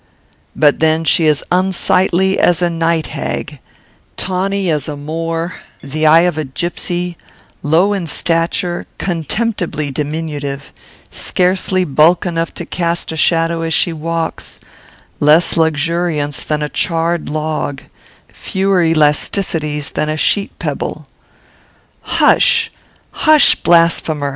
"But then she is unsightly as a night hag, tawny as a Moor, the eye of a gipsy, low in stature, contemptibly diminutive, scarcely bulk enough to cast a shadow as she walks, less luxuriance than a charred log, fewer elasticities than a sheet pebble." "Hush! hush! blasphemer!"